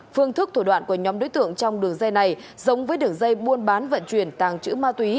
phương thức thủ đoạn của nhóm đối tượng trong đường dây này giống với đường dây buôn bán vận chuyển tàng trữ ma túy